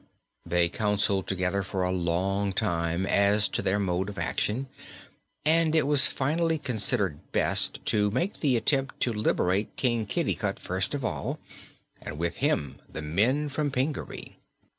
They counseled together for a long time as to their mode of action and it was finally considered best to make the attempt to liberate King Kitticut first of all, and with him the men from Pingaree.